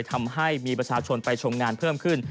ทำให้มีประชาชนไปชมงานเพิ่มขึ้น